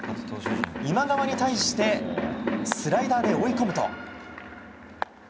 今川に対してスライダーで追い込むと。